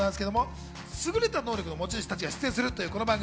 すぐれた能力の持ち主たちが出演するこの番組。